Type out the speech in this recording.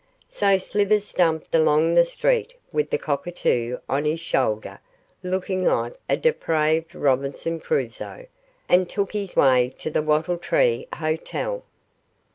So Slivers stumped along the street, with the cockatoo on his shoulder, looking like a depraved Robinson Crusoe, and took his way to the Wattle Tree Hotel.